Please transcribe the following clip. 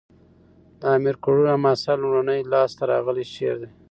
د امیر کروړ حماسه؛ لومړنی لاس ته راغلی شعر دﺉ.